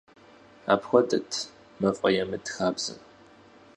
Апхуэдэт «мафӏэемыт» хабзэр.